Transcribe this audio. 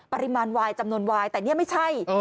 ปริมาณวายจำนวนวายแต่นี่ไม่ใช่